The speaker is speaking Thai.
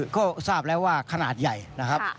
ก็ทราบแล้วว่าขนาดใหญ่นะครับ